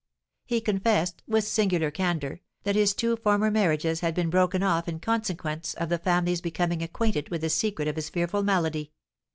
"He confessed, with singular candour, that his two former marriages had been broken off in consequence of the families becoming acquainted with the secret of his fearful malady.